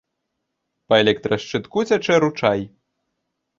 Па электрашчытку цячэ ручай.